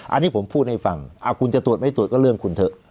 อันนี้ผมพูดให้ฟังคุณจะตรวจไม่ตรวจก็เรื่องคุณเถอะ